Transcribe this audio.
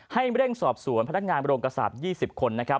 ให้เร่งสอบสวนพนักงานบรมกษาป๒๐คน